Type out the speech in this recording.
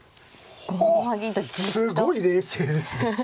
ほうすごい冷静ですね。